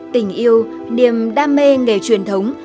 tình yêu niềm đam mê nghề truyền thống